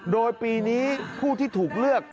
โดยปีนี้ผู้ที่ถูกเลือก